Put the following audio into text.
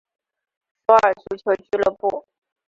首尔足球俱乐部。